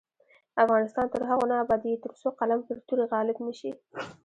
افغانستان تر هغو نه ابادیږي، ترڅو قلم پر تورې غالب نشي.